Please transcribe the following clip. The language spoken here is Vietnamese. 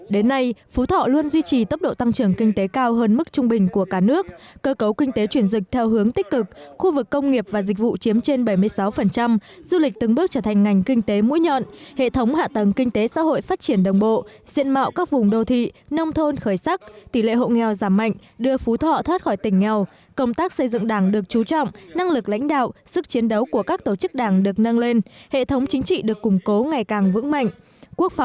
đến nay phú thọ luôn duy trì tốc độ tăng trưởng kinh tế cao hơn mức trung bình của cả nước cơ cấu kinh tế chuyển dịch theo hướng tích cực khu vực công nghiệp và dịch vụ chiếm trên bảy mươi sáu du lịch từng bước trở thành ngành kinh tế mũi nhọn hệ thống hạ tầng kinh tế xã hội phát triển đồng bộ diện mạo các vùng đô thị nông thôn khởi sắc tỷ lệ hậu nghèo giảm mạnh đưa phú thọ thoát khỏi tỉnh nghèo công tác xây dựng đảng được trú trọng năng lực lãnh đạo sức chiến đấu của các tổ chức